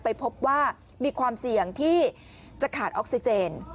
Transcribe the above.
ไปพบว่ามีความเสี่ยงที่จะขาดออกซิเจน